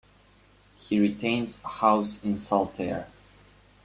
He retains a house in Saltaire.